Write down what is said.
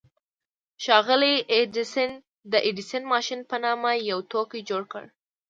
ښاغلي ايډېسن د ايډېسن ماشين په نامه يو توکی جوړ کړ.